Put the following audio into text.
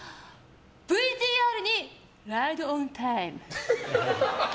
ＶＴＲにライドオンタイム！